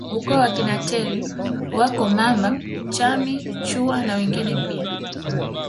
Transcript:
Ukoo wa akina Teri wako Mamba Chami Chuwa na wengine pia